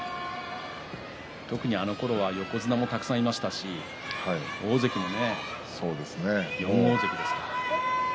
特にあのころは横綱もたくさんいましたし大関も４大関ですから。